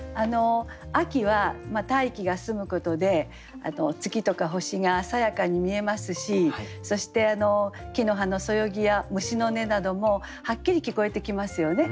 秋は大気が澄むことで月とか星がさやかに見えますしそして木の葉のそよぎや虫の音などもはっきり聞こえてきますよね。